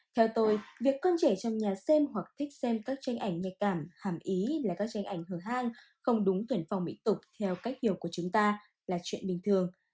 theo tôi việc con trẻ trong nhà xem hoặc thích xem các tranh ảnh nhạy cảm hàm ý là các tranh ảnh hưởng hang không đúng tuyển phòng mỹ tục theo cách hiểu của chúng ta là chuyện bình thường